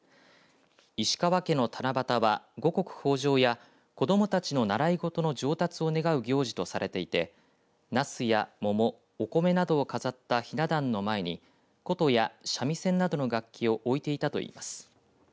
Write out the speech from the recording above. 石川家の七夕は五穀豊じょうや子どもたちの習い事の上達を願う行事としてナスや桃をお米などを飾ったひな壇の前に琴や三味線などの楽器を置いていたといいます。